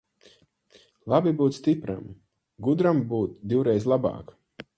Labi būt stipram, gudram būt divreiz labāk.